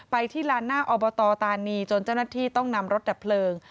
ที่ลานหน้าอบตตานีจนเจ้าหน้าที่ต้องนำรถดับเพลิง